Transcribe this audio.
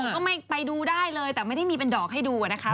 ก็ไม่ไปดูได้เลยแต่ไม่ได้มีเป็นดอกให้ดูนะคะ